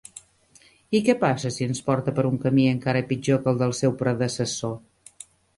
I què passa si ens porta per un camí encara pitjor que el del seu predecessor?